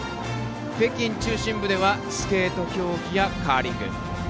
北京中心部ではスケート競技やカーリング。